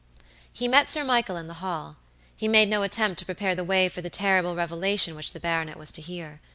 He met Sir Michael in the hall. He made no attempt to prepare the way for the terrible revelation which the baronet was to hear.